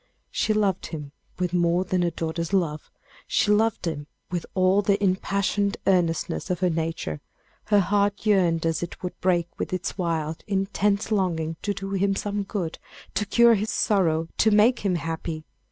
She loved him with more than a daughter's love; she loved him with all the impassioned earnestness of her nature; her heart yearned as it would break with its wild, intense longing to do him some good, to cure his sorrow, to make him happy.